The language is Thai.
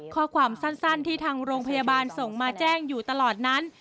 ข้อความสั้นที่ทางโรงพยาบาลส่งมาแจ้งอยู่ตลอดนั้น